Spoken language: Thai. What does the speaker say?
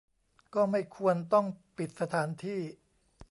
ก็ไม่ควรต้องปิดสถานที่